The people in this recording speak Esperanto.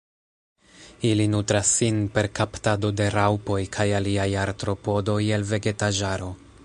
Ili nutras sin per kaptado de raŭpoj kaj aliaj artropodoj el vegetaĵaro.